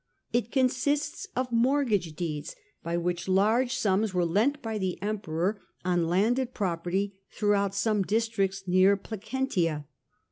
It consists of mortgage deeds by which large aums were lent by the Emperor on landed property throughout some districts near Placentia.